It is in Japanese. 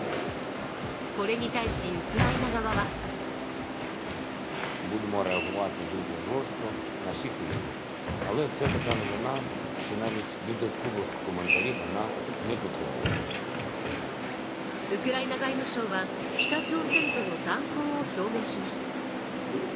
これに対し、ウクライナ側はウクライナ外務省は、北朝鮮との断交を表明しました。